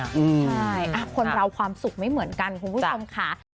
ใช่คนเราความสุขไม่เหมือนกันคุณผู้ชมค่ะ